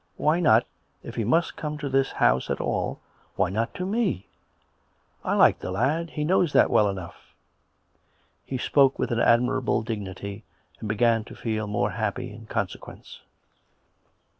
Why not, if he must come to this house at all — why not to me.'' I like the lad; he knows that well enough." He spoke with an admirable dignity, and began to feel more happy in consequence.